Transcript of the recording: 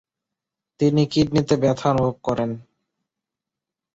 তিনি কিডনিতে ব্যথা অনুভব করেন।